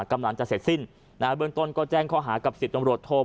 กำลังจะเสร็จสิ้นนะฮะเบื้องต้นก็แจ้งข้อหากับสิบตำรวจโท